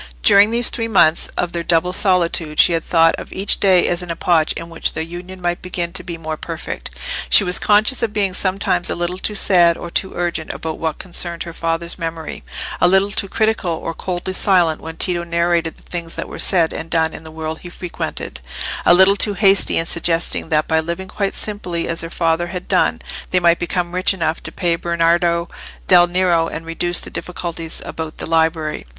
During these three months of their double solitude she had thought of each day as an epoch in which their union might begin to be more perfect. She was conscious of being sometimes a little too sad or too urgent about what concerned her father's memory—a little too critical or coldly silent when Tito narrated the things that were said and done in the world he frequented—a little too hasty in suggesting that by living quite simply as her father had done, they might become rich enough to pay Bernardo del Nero, and reduce the difficulties about the library.